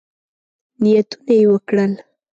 نیتونه یې وکړل.